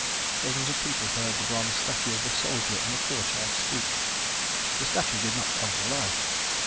Dozens of people heard the bronze statue of the soldier in the courtyard speak. The statue did not come to life.